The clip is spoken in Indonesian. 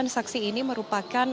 sembilan saksi ini merupakan